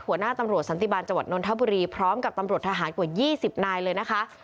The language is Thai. หัวหน้าตำรวจสันติบาลจังหวัดนทบุรีพร้อมกับตำรวจทหารกว่า๒๐นายเลยนะคะ